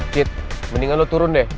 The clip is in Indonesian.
fit mendingan lo turun deh